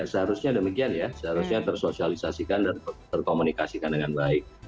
seharusnya demikian ya seharusnya tersosialisasikan dan terkomunikasikan dengan baik